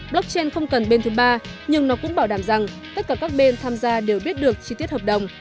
blockchain không cần bên thứ ba nhưng nó cũng bảo đảm rằng tất cả các bên tham gia đều biết được chi tiết hợp đồng